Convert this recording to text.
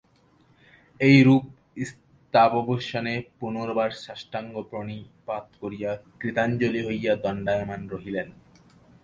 এইরূপস্তবাবসানে পুনর্বার সাষ্টাঙ্গ প্রণিপাত করিয়া কৃতাঞ্জলি হইয়া দণ্ডায়মান রহিলেন।